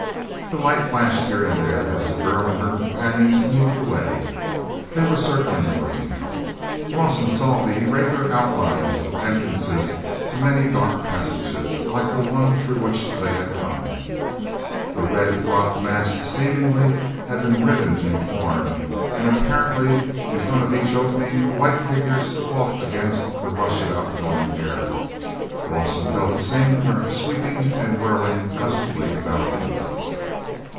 The light flashed here and there as the girl and her companions moved away. They were circling the room. Rawson saw the irregular outlines of entrances to many dark passages like the one through which they had come. The red rock mass seemingly had been riven and torn, and apparently in front of each opening the white figures fought against the rush of outgoing air. Rawson felt the same current sweeping and whirling gustily about him.